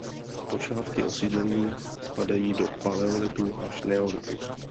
Počátky osídlení spadají do paleolitu až neolitu.